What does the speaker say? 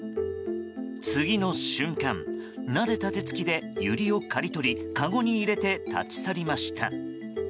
次の瞬間、慣れた手つきでユリを刈り取りかごに入れて、立ち去りました。